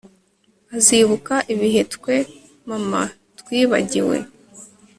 azibuka ibihe twe mama twibagiwe